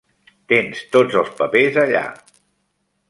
Tens tots els papers allà.